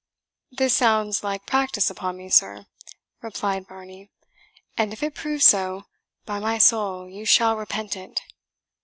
"This sounds like practice upon me, sir," replied Varney; "and if it proves so, by my soul you shall repent it!"